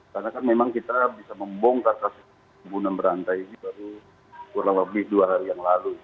karena kan memang kita bisa membongkar kasus kegunaan berantai ini baru kurang lebih dua hari yang lalu